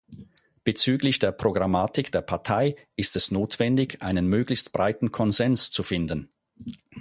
Bezüglich der Programmatik der Partei ist es notwendig, einen möglichst breiten Konsens zu finden.